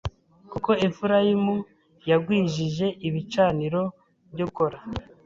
Kuko Efurayimu yagwijije ibicaniro byo gukora